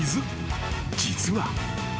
［実は］